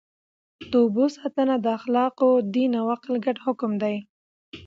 د اوبو ساتنه د اخلاقو، دین او عقل ګډ حکم دی.